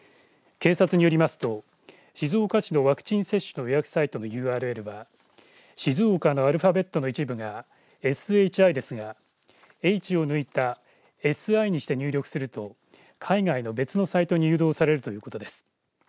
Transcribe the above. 警察によりますと静岡市のワクチン接種の予約サイトのＵＲＬが静岡のアルファベットの一部がｓｈｉですがｈを抜いたｓｉにして入力すると海外の別のサイトに誘導されるということです。